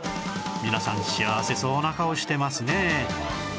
皆さん幸せそうな顔してますね